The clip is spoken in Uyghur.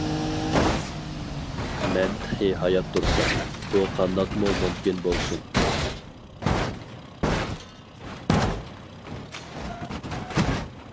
مەن تېخى ھايات تۇرسام، بۇ قانداقمۇ مۇمكىن بولسۇن؟ !